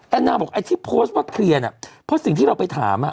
แอนาบอกไอ้ที่โพสต์ลงโซเชียลเพราะสิ่งที่เราไปถาม